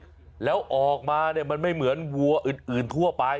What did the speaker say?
แล้วออกมาเนี่ยมันไม่เหมือนวัวอื่นทั่วไป